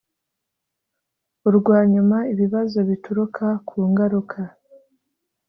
urwa nyuma ibibazo bituruka ku ngaruka